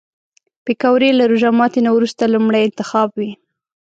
پکورې له روژه ماتي نه وروسته لومړی انتخاب وي